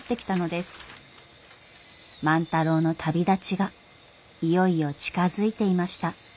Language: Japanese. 万太郎の旅立ちがいよいよ近づいていました。